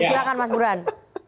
silahkan mas burhan